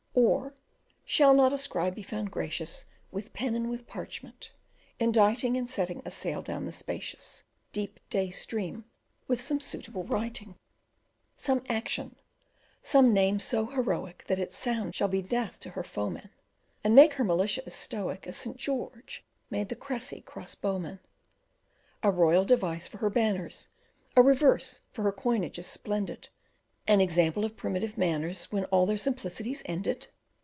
Or shall not a scribe be found gracious With pen and with parchment, inditing And setting a sail down the spacious Deep day stream some suitable writing; Some action, some name so heroic That its sound shall be death to her foemen, And make her militia as stoic As St. George made the Cressy crossbowmen; A royal device for her banners, A reverse for her coinage as splendid, An example of primitive manners When all their simplicity's ended?